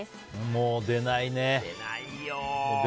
もう出ないね。